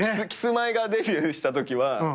キスマイがデビューしたときは。